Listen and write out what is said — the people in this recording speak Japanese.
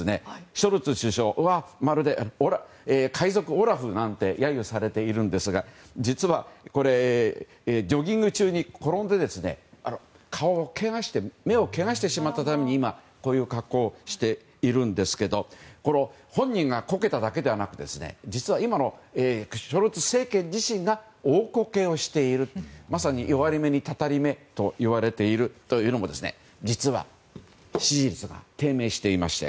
ショルツ首相はまるで海賊オラフなんて揶揄されているんですが実は、ジョギング中に転んで目をけがしてしまったために今、こういう格好をしているんですけど本人がこけただけではなくて実は今のショルツ政権自身が大コケをしているまさに弱り目に祟り目と言われているというのも実は支持率が低迷していまして。